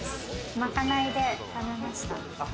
まかないで食べました。